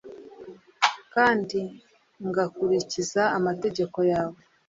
kandi ngakurikiza amategeko yawe